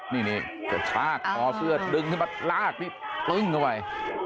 นี่กระชากคอเสื้อดึงขึ้นมาลากนี่ปึ้งเข้าไป